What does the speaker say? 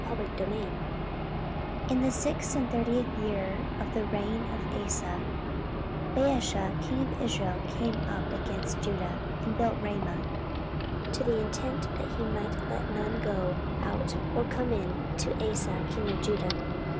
14:016:001 In the six and thirtieth year of the reign of Asa Baasha king of Israel came up against Judah, and built Ramah, to the intent that he might let none go out or come in to Asa king of Judah.